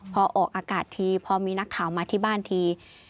พอออกอากาศทีพอมีนักข่าวมาที่บ้านที